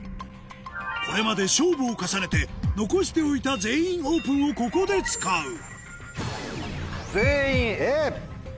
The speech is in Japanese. これまで勝負を重ねて残しておいた「全員オープン」をここで使う全員Ａ。